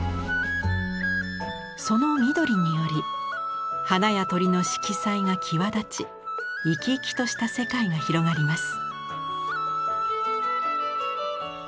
その緑により花や鳥の色彩が際立ち生き生きとした世界が広がります。